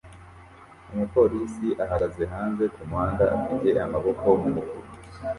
Umupolisi ahagaze hanze kumuhanda afite amaboko mumufuka